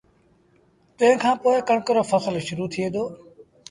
تنهن کآݩ پو ڪڻڪ رو ڦسل شرو ٿئي دو